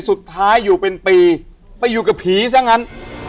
สุดท้ายอยู่เป็นปีไปอยู่กับผีซะงั้น